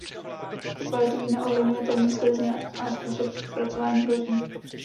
Kvalitu vína ovlivňuje termín sklizně a způsob zpracování hroznů.